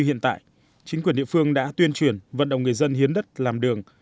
hiện tại chính quyền địa phương đã tuyên truyền vận động người dân hiến đất làm đường